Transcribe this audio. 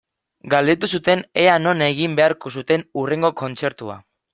Galdetu zuten ea non egin beharko zuten hurrengo kontzertua.